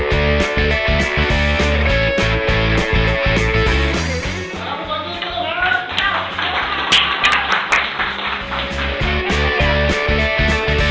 ใครจะทำได้ก่อนสามสองหนึ่งเริ่มค่ะ